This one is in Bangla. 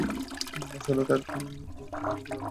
আসলে, তার তখন কিছুই করার ছিল না।